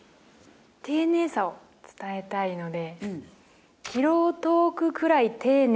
丁寧さを伝えたいので。